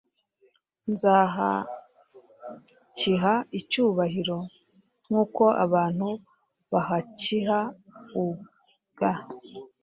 Nzahakiha icyubahiro, nkuko abantu bahakiha ubua